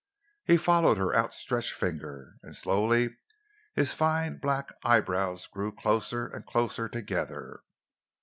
He followed her outstretched finger, and slowly his fine black eyebrows grew closer and closer together.